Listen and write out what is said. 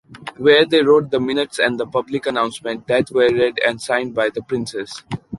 Where they wrote the minutes and the public announcement, that were read and signed by the princes.